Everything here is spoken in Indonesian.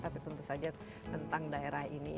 tapi tentu saja tentang daerah ini